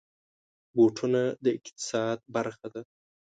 بوټونه د اقتصاد برخه ده.